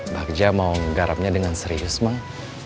bagjah mau ngegarapnya dengan serius mang